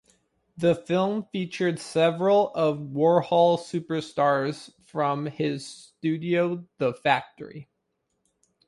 The film featured several of Warhol Superstars from his studio The Factory.